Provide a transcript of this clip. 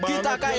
neng ada apa neng